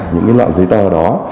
những loại giấy tờ đó